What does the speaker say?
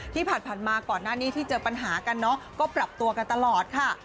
ที่ผ่านมาก่อนหน้านี้ที่เจอปัญหากันเนาะก็ปรับตัวกันตลอดค่ะ